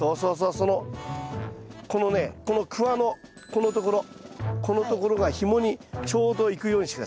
そのこのねこのクワのこのところこのところがひもにちょうどいくようにして下さい。